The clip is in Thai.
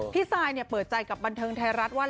ซายเปิดใจกับบันเทิงไทยรัฐว่า